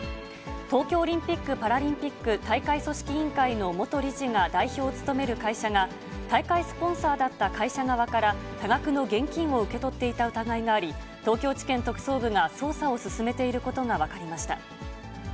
東京オリンピック・パラリンピック大会組織委員会の元理事が代表を務める会社が、大会スポンサーだった会社側から、多額の現金を受け取っていた疑いがあり、東京地検特捜部が捜査を進めていることが分かりました。